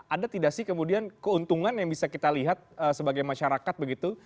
ada tidak sih kemudian keuntungan yang bisa kita lihat sebagai masyarakat begitu